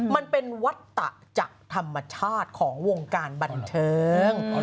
มันเป็นวัตตะจากธรรมชาติของวงการบันเทิง